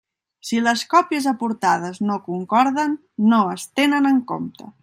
Si les còpies aportades no concorden, no es tenen en compte.